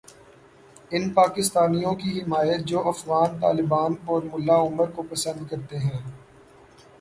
ان پاکستانیوں کی حمایت جوافغان طالبان اور ملا عمر کو پسند کرتے ہیں۔